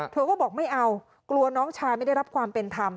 เธอก็บอกไม่เอากลัวน้องชายไม่ได้รับความเป็นธรรม